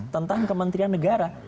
tentang kementerian negara